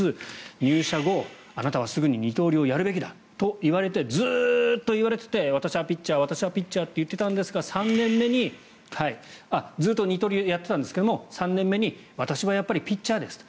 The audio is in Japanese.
入社後、あなたはすぐに二刀流をやるべきだと言われてずっと言われていて私はピッチャー私はピッチャーって言っていたんですがずっと二刀流をやっていたんですが３年目に私はやっぱりピッチャーですと。